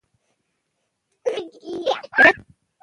سالم خواړه سالم ژوند دی.